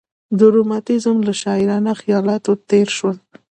د رومانتیزم له شاعرانه خیالاتو تېر شول.